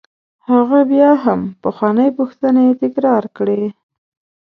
هغه بیا هم پخوانۍ پوښتنې تکرار کړې.